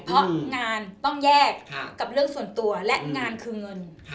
เพราะงานต้องแยกกับเรื่องส่วนตัวและงานคือเงิน